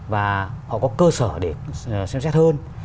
và họ có cơ sở để xem xét hơn